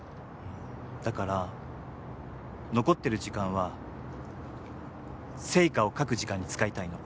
だから残ってる時間は『ＳＥＩＫＡ』を描く時間に使いたいの。